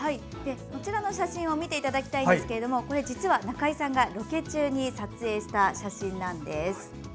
こちらの写真を見ていただきたいんですが実は中井さんがロケ中に撮影した写真なんです。